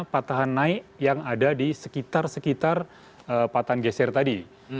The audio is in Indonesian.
patahan naik yang ada di sekitar sekitar patahan geser tadi